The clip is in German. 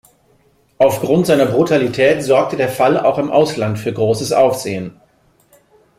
Aufgrund seiner Brutalität sorgte der Fall auch im Ausland für großes Aufsehen.